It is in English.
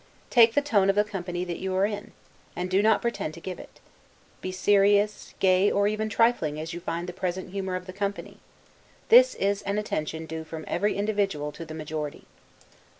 Take the tone of the company that you are in, and do not pretend to give it; be serious, gay, or even trifling, as you find the present humor of the company; this is an attention due from every individual to the majority.